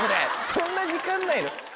そんな時間ないの？